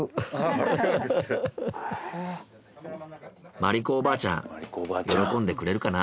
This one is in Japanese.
萬里子おばあちゃん喜んでくれるかな？